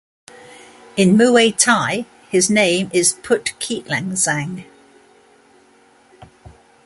In Muay thai his name is Put Keitlansang.